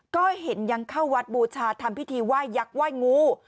ก็เห็นยังเข้าวัดบูชาทำพิธีไหว้ยักษ์ไหว้งู